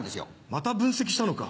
また分析したのか。